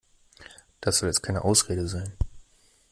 Das soll jetzt keine Ausrede sein.